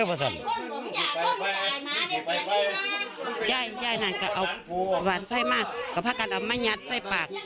อาหารก็เอาหวานไฟมากก็พระกันเอามายัดใส่ปาก